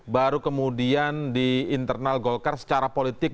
baru kemudian di internal golkar secara politik